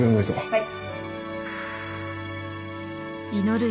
はい。